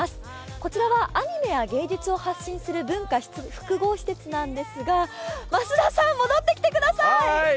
こちらはアニメや芸術を発信する文化複合施設なんですが増田さん、戻ってきてください！